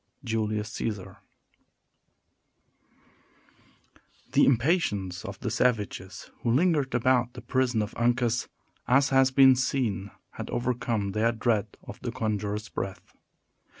—Julius Caesar The impatience of the savages who lingered about the prison of Uncas, as has been seen, had overcome their dread of the conjurer's breath.